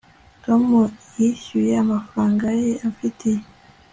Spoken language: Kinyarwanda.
tom yishyuye amafaranga yari amfitiye